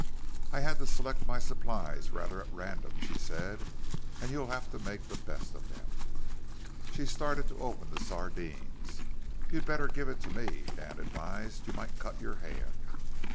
"I had to select my supplies rather at random," she said, "and you'll have to make the best of them." She started to open the sardines. "You'd better give it to me," Dan advised. "You might cut your hand."